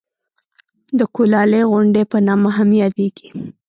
د کولالۍ غونډۍ په نامه هم یادېږي.